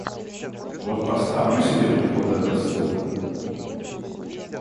Вот поставлю себе тут вот этот стул.